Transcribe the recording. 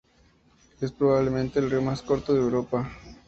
Es probablemente el río más corto de Europa.